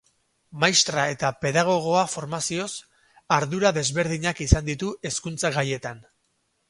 Maistra eta pedagogoa formazioz, ardura desberdinak izan ditu hezkuntza gaietan.